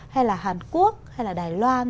hay là hàn quốc hay là đài loan